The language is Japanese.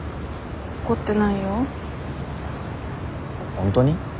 本当に？